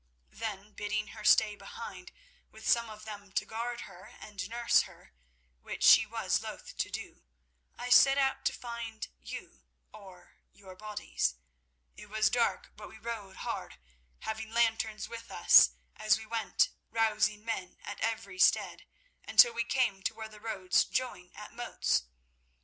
Then bidding her stay behind, with some of them to guard her, and nurse herself, which she was loth to do, I set out to find you or your bodies. It was dark, but we rode hard, having lanterns with us, as we went rousing men at every stead, until we came to where the roads join at Moats.